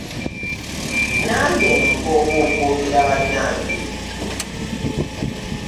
Nange nkoowa okwogera bannange.